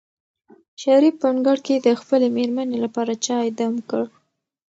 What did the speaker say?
شریف په انګړ کې د خپلې مېرمنې لپاره چای دم کړ.